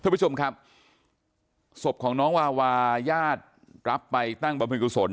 ผู้ชมครับศพของน้องวาวาญาติรับไปตั้งบรรพิกุศล